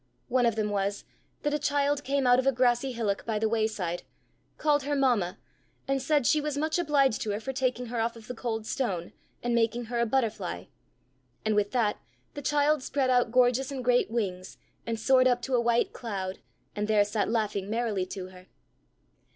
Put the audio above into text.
One of them was, that a child came out of a grassy hillock by the wayside, called her mamma, and said she was much obliged to her for taking her off the cold stone, and making her a butterfly; and with that the child spread out gorgeous and great wings and soared up to a white cloud, and there sat laughing merrily to her.